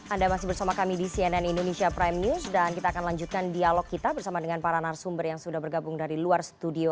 anda masih bersama kami di cnn indonesia prime news dan kita akan lanjutkan dialog kita bersama dengan para narasumber yang sudah bergabung dari luar studio